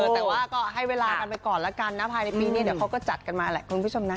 แต่ว่าก็ให้เวลากันไปก่อนแล้วกันนะภายในปีนี้เดี๋ยวเขาก็จัดกันมาแหละคุณผู้ชมนะ